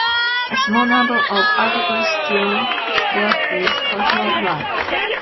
A small number of articles still dealt with cultural life.